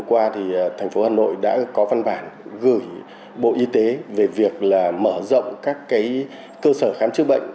hôm qua thì thành phố hà nội đã có văn bản gửi bộ y tế về việc mở rộng các cơ sở khám chữa bệnh